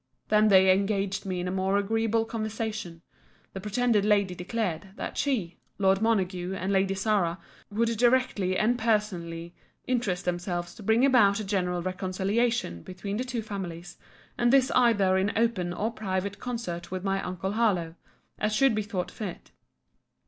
They then engaged me in a more agreeable conversation—the pretended lady declared, that she, Lord M. and Lady Sarah, would directly and personally interest themselves to bring about a general reconciliation between the two families, and this either in open or private concert with my uncle Harlowe, as should be thought fit.